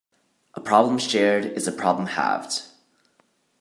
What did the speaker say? A problem shared is a problem halved.